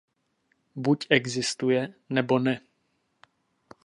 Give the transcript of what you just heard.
Buď existuje, nebo ne.